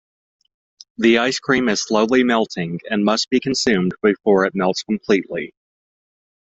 The ice cream is slowly melting, and must be consumed before it melts completely.